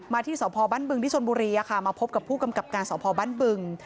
ที่สพบ้านบึงที่ชนบุรีมาพบกับผู้กำกับการสพบ้านบึง